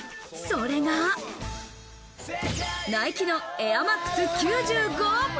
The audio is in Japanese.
それが、ナイキのエアマックス９５。